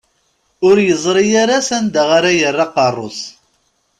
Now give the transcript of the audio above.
Ur yeẓri ara s anda ara yerr aqerru-s.